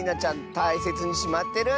たいせつにしまってるんだって！